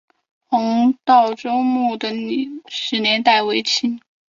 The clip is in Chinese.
黄道周墓的历史年代为清。